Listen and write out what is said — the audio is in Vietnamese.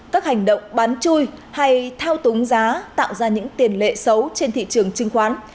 các hành động bán chui hay thao túng giá tạo ra những tiền lệ xấu trên thị trường chứng khoán